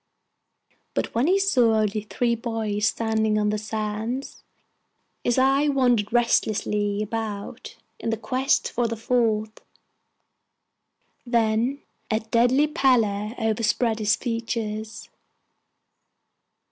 But when he saw only three boys standing on the sands, his eye wandered restlessly about in quest of the fourth; then a deadly pallor overspread his features.